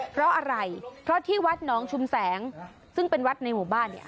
เพราะอะไรเพราะที่วัดหนองชุมแสงซึ่งเป็นวัดในหมู่บ้านเนี่ย